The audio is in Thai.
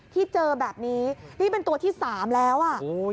ที่เจอแบบนี้นี่เป็นตัวที่สามแล้วอ่ะ